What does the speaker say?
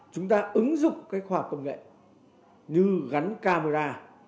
chúng ta ứng dụng cái khoa học công nghệ như gắn camera